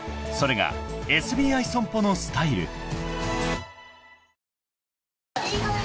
［それがＳＢＩ損保のスタイル］